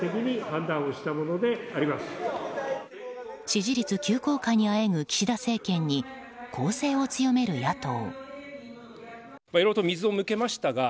支持率急降下にあえぐ岸田政権に攻勢を強める野党。